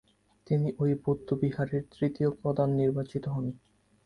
তিনি ঐ বৌদ্ধবিহারের তৃতীয় প্রধান নির্বাচিত হন।